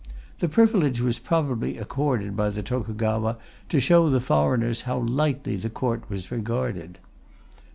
The privilege was probably accorded by the Tokugawa to show the foreigners how lightly the Court was regarded.